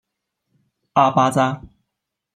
阿巴扎。